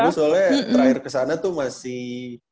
tapi soalnya terakhir kesana tuh masih